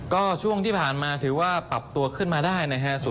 ก็ช่วงที่ผ่านมาถือว่าปรับตัวขึ้นมาได้นะครับ